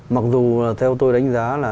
mặc dù là theo tôi đánh giá là